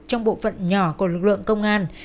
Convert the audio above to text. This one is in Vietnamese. trong bộ phận nhỏ của lực lượng công an